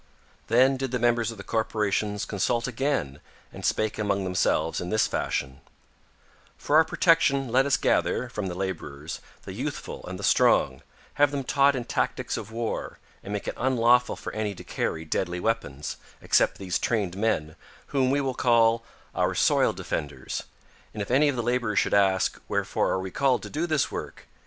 Then did the members of the corporations consult again and spake among themselves in this fashion: "For our protection let us gather, from the laborers, the youthful and the strong, have them taught in tactics of war, and make it unlawful for any to carry deadly weapons, except these trained men, whom we will call our Soil Defenders, and if any of the laborers should ask: 'Wherefore are we called to do this work?'